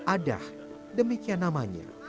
adah demikian namanya